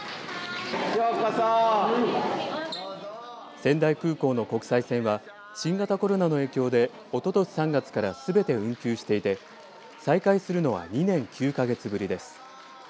仙台空港の国際線は新型コロナの影響でおととし３月からすべて運休していて再開するのは２年９か月ぶりです。